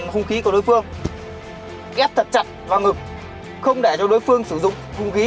không khí của đối phương ghép thật chặt vào ngực không để cho đối phương sử dụng không khí